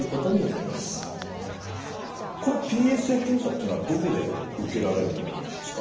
このＰＳＡ検査ってのはどこで受けられるものなんですか？